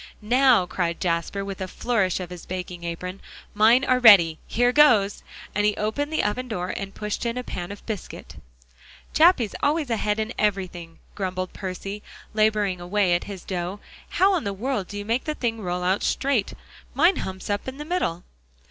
"Now," cried Jasper, with a flourish of his baking apron, "mine are ready. Here goes!" and he opened the oven door and pushed in a pan of biscuit. "Jappy's always ahead in everything," grumbled Percy, laboring away at his dough. "How in the world do you make the thing roll out straight? Mine humps up in the middle."